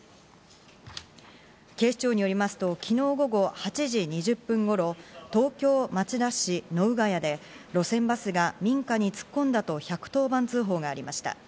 警視庁によりますと昨日午後８時２０分頃、東京・町田市能ヶ谷で路線バスが民家に突っ込んだと１１０番通報がありました。